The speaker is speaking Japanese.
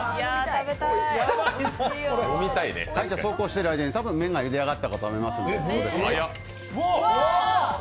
そうこうしている間に、たぶん麺がゆであがったと思います。